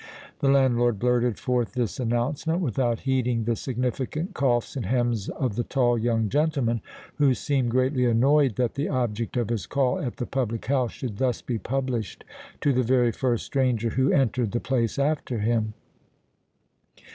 The landlord blurted forth this announcement without heeding the significant coughs and "hems" of the tall young gentleman, who seemed greatly annoyed that the object of his call at the public house should thus be published to the very first stranger who entered the place after him.